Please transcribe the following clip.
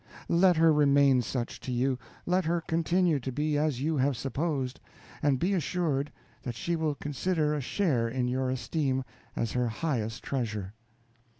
Let her remain such to you, let her continue to be as you have supposed, and be assured that she will consider a share in your esteem as her highest treasure.